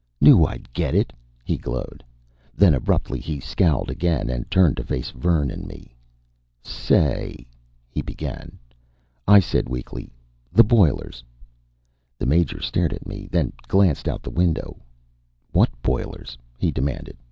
"Knew I'd get it," he glowed. Then abruptly he scowled again and turned to face Vern and me. "Say " he began. I said weakly: "The boilers." The Major stared at me, then glanced out the window. "What boilers?" he demanded.